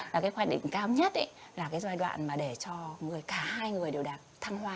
và cái khoái đỉnh cao nhất ấy là cái giai đoạn mà để cho cả hai người đều đạt thăng hoa